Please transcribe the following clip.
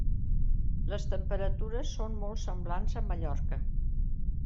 Les temperatures són molt semblants a Mallorca.